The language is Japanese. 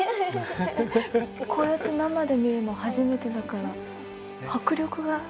こうやって生で見るの初めてだから迫力が。